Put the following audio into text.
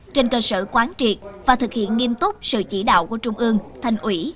trên cơ sở quán triệt và thực hiện nghiêm túc sự chỉ đạo của trung ương thành ủy